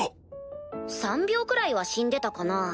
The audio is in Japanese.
３秒くらいは死んでたかな？